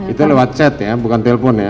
itu lewat chat ya bukan telpon ya